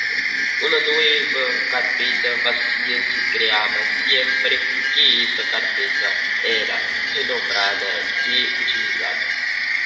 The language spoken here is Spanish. Una nueva carpeta vacía se creaba siempre que esa carpeta era renombrada y utilizada.